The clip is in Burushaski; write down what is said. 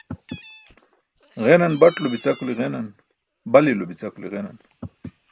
Ġenaṅ baṭulo bica kuli ġenaṅ, balilo bica kuli ġenaṅ.